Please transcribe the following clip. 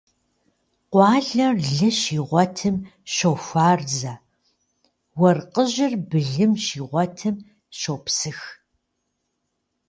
Къуалэр лы щигъуэтым щохуарзэ, уэркъыжьыр былым щигъуэтым щопсых.